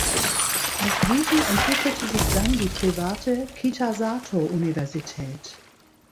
Aus diesem entwickelte sich dann die private Kitasato-Universität.